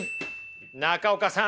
中岡さん。